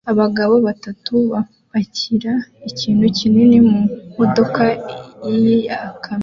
Abagabo batatu bapakira ikintu kinini mumodoka ya ikamyo